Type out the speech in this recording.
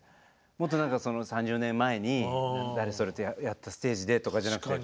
もっと何か３０年前に誰それとやったステージでとかじゃなくて。